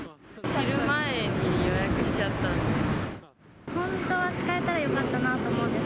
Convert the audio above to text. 知る前に予約しちゃったんで。